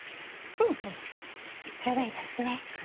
うんちょうどいいですね。